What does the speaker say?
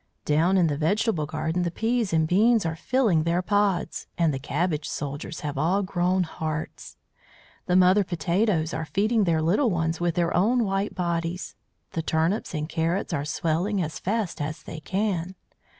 "Down in the vegetable garden the peas and beans are filling their pods, and the cabbage soldiers have all grown hearts. The mother potatoes are feeding their little ones with their own white bodies; the turnips and carrots are swelling as fast as they can.